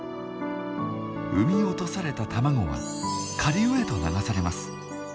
産み落とされた卵は下流へと流されます。